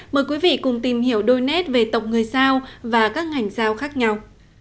mời quý vị cùng tìm hiểu đôi nét về tộc người giao và các ngành giao khác nhau